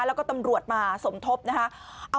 แล้วก็ตำรวจมาสมทบนะคะ